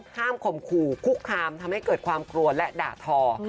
ข่มขู่คุกคามทำให้เกิดความกลัวและด่าทอ